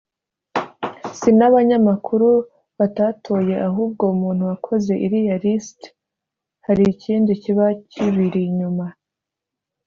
si n’abanyamakuru batatoye ahubwo umuntu wakoze iriya list hari ikindi kiba kibiri inyuma